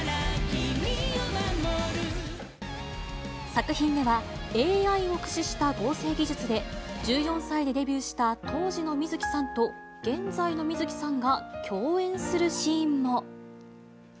作品では、ＡＩを駆使した合成技術で、１４歳でデビューした当時の観月さんと現在の観月さんが共演するシーンも。